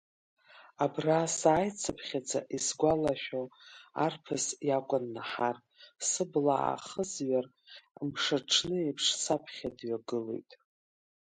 Абра сааицыԥхьаӡа исгәалашәало арԥыс иакәын Наҳар, сыбла аахызҩар, мшаҽны еиԥш, саԥхьа даагылоит.